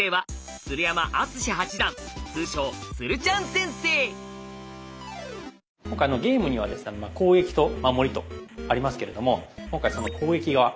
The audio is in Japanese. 先生はゲームにはですね攻撃と守りとありますけれども今回その攻撃側。